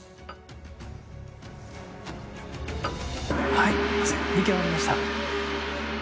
はい出来上がりました。